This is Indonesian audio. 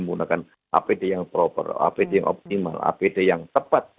menggunakan apd yang proper apd yang optimal apd yang tepat